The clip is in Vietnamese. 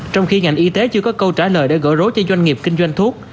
trong khi ngành y tế chưa có câu trả lời để gỡ rối cho doanh nghiệp kinh doanh thuốc